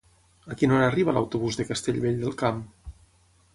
A quina hora arriba l'autobús de Castellvell del Camp?